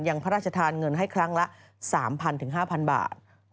พระราชทานเงินให้ครั้งละ๓๐๐๕๐๐บาท